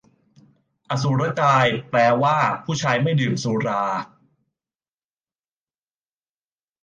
อสุรกาย แปลว่า ชายผู้ไม่ดื่มสุรา